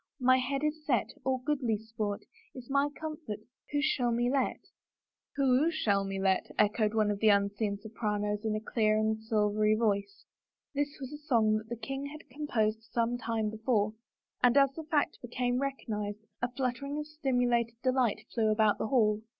My head is set; All goodly sport, Is my comfort. Who shall me let? 46 A DANCE WITH A KING "Who o shall me let?" echoed one of the unseen sopranos in a clear and silvery voice. This was a song that the king had composed some time before, and as the fact became recognized a flut tering of stimulated delight flew about the hall.